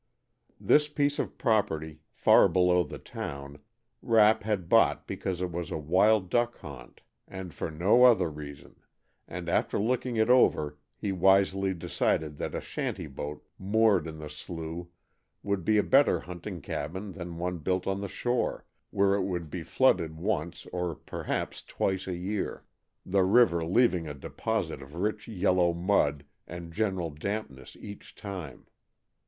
This piece of property, far below the town, Rapp had bought because it was a wild duck haunt, and for no other reason, and after looking it over he wisely decided that a shanty boat moored in the slough would be a better hunting cabin than one built on the shore, where it would be flooded once, or perhaps twice a year, the river leaving a deposit of rich yellow mud and general dampness each time.